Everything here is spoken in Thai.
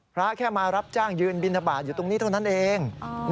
พระแค่มารับจ้างยืนบินทบาทอยู่ตรงนี้เท่านั้นเอง